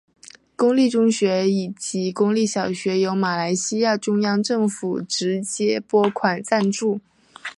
公立中学以及公立小学由马来西亚中央政府直接拨款赞助。